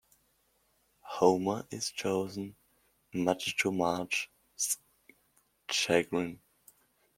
Homer is chosen, much to Marge's chagrin.